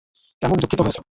কেমন দুঃখিত হয়েছো?